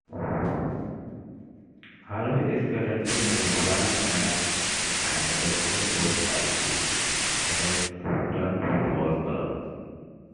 Harvey is currently serving as an assistant coach at the Essendon Football Club.